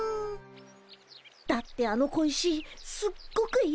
だってあの小石すっごくいいでしょ。